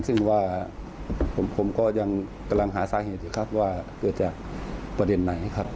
ซึ่งว่าผมก็ยังกำลังหาสาเหตุอยู่ครับว่าเกิดจากประเด็นไหนครับ